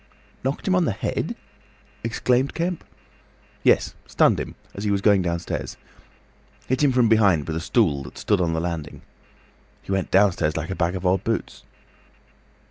"Knocked him on the head?" exclaimed Kemp. "Yes—stunned him—as he was going downstairs. Hit him from behind with a stool that stood on the landing. He went downstairs like a bag of old boots."